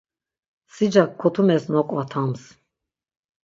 Sicak kotumes noǩvatams.